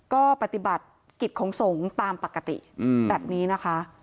ก็ปฏิบัติกิจของสงฆ์ตามปกติแบบนี้นะคะ